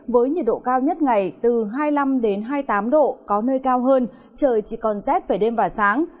với nhiệt độ cao nhất ngày từ hai mươi năm hai mươi tám độ có nơi cao hơn trời chỉ còn rét về đêm và sáng